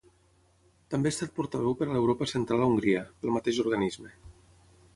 També ha estat portaveu per a l'Europa central a Hongria, pel mateix organisme.